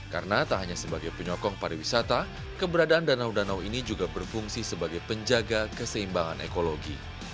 karena tak hanya sebagai penyokong pariwisata keberadaan danau danau ini juga berfungsi sebagai penjaga keseimbangan ekologi